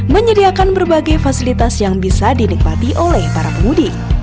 menyediakan berbagai fasilitas yang bisa dinikmati oleh para pemudik